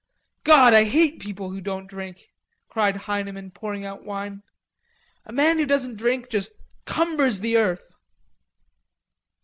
"God I hate people who don't drink," cried Heineman, pouring out wine. "A man who don't drink just cumbers the earth."